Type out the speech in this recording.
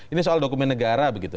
ini soal dokumen negara